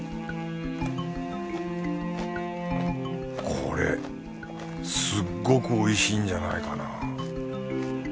これすっごくおいしいんじゃないかな